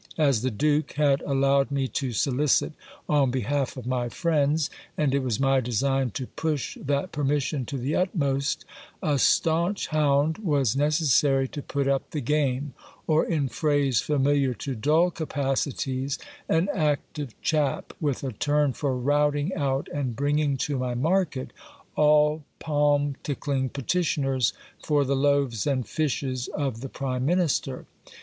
As the duke had allowed me to solicit on behalf of my friends, and it was my design to push that permission to the utmost, a staunch hound was necessary to put up the game ; or in phrase familiar to dull capacities, an active chap, with a turn for routing out and bringing to my market all palm tickling petitioners for the loaves and fishes of the prime minister.